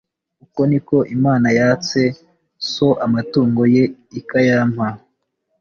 Uko ni ko Imana yatse so amatungo ye ikayampa